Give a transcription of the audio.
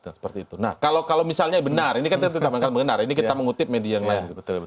nah kalau misalnya benar ini kita mengutip media yang lain